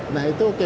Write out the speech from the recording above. nah itu oke